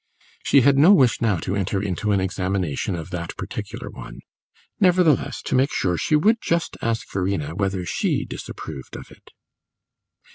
She had no wish now to enter into an examination of that particular one; nevertheless, to make sure, she would just ask Verena whether she disapproved of it.